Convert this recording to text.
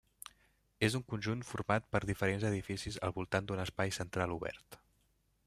És un conjunt format per diferents edificis al voltant d'un espai central obert.